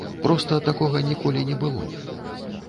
Проста такога ніколі не было.